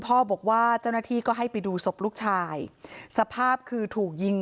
บอกว่าเจ้าหน้าที่ก็ให้ไปดูศพลูกชายสภาพคือถูกยิง